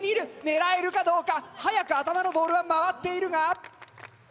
狙えるかどうか早く頭のボールは回っているが。